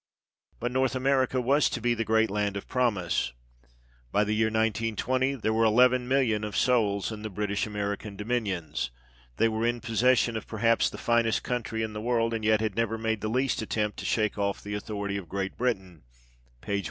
But North America was to be the great Land of Promise :" By the year 1920 there were 11,000,000 of souls in the British American dominions : they were in possession of perhaps the finest country in the world, and yet had never made the least attempt to shake off the authority of Great Britain " (p.